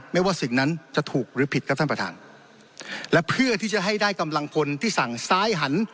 ไม่ว่าสิ่งนั้นจะถูกหรือผิดครับท่านประธานและเพื่อที่จะให้ได้กำลังพลที่สั่งซ้ายหัน